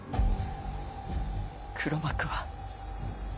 黒幕は。